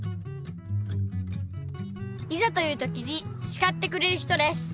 いざという時にしかってくれる人です。